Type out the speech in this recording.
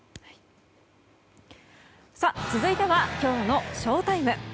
続いてはきょうのＳＨＯＴＩＭＥ。